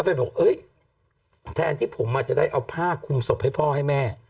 อเป็ดบอกเอ๊ยแทนที่ผมอาจจะได้เอาผ้าคุมศพให้พ่อให้แม่